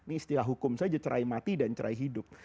ini istilah hukum saja cerai mati dan cerai hidup